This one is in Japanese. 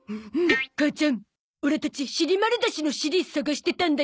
母ちゃんオラたちシリマルダシのシリ探してたんだよね？